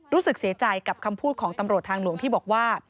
รู้สึกเสียใจกับคำพูดของตำรวจทางหลวงที่บอกว่า